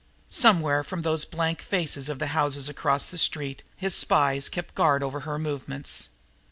Somewhere from the blank faces of those houses across the street his spies kept guard over her movements.